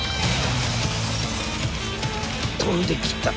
飛んできた。